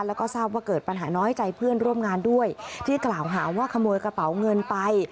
แล้วก็ทราบว่าเกิดปัญหาน้อยใจเพื่อนร่วมงานด้วยที่กล่าวหาว่าขโมยกระเป๋าเงินไป